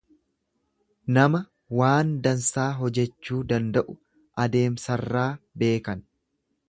Nama waan dansaa hojechuu danda'u adeemsarraa beekan.